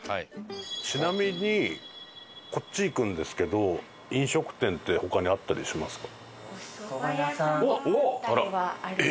ちなみにこっち行くんですけど飲食店って他にあったりしますか？